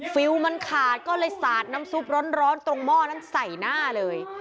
ฟิลล์มันขาดก็เลยสาดน้ำซุปร้อนตรงหม้อนั้นใส่หน้าเลย